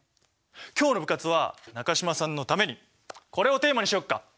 今日の部活は中島さんのためにこれをテーマにしようか。